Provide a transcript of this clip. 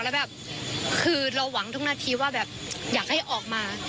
แล้วแบบคือเราหวังทุกนาทีว่าแบบอยากให้ออกมา